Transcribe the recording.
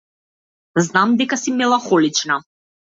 Знам дека си мелахонична.